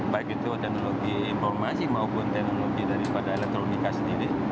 baik itu teknologi informasi maupun teknologi daripada elektronika sendiri